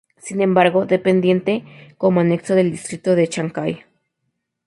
Sin embargo dependiente como anexo del distrito de Chancay.